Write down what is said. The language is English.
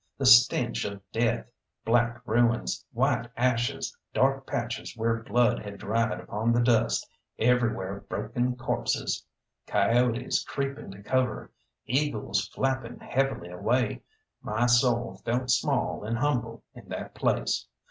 The stench of death, black ruins, white ashes, dark patches where blood had dried upon the dust, everywhere broken corpses coyotes creeping to cover, eagles flapping heavily away my soul felt small and humble in that place.